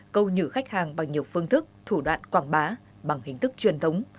câu nhử khách hàng bằng nhiều phương thức thủ đoạn quảng bá bằng hình thức truyền thống